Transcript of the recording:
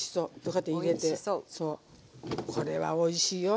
これはおいしいよ。